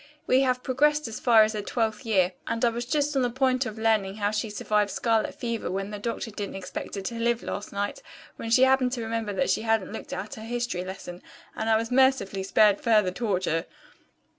We have progressed as far as her twelfth year, and I was just on the point of learning how she survived scarlet fever when the doctor didn't expect her to live, last night, when she happened to remember that she hadn't looked at her history lesson and I was mercifully spared further torture."